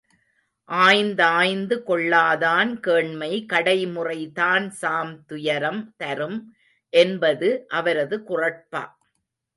ஆய்ந்தாய்ந்து கொள்ளாதான் கேண்மை கடைமுறை தான்சாம் துயரம் தரும் என்பது அவரது குறட்பா.